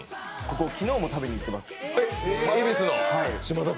昨日も食べにいってます。